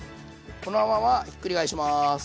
このままひっくり返します。